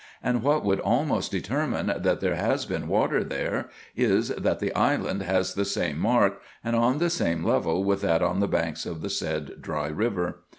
And what would almost determine that there has been water there, is, that the island has the same mark, and on the same level with that on the banks of the said dry river.